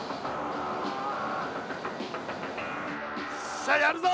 さあやるぞ！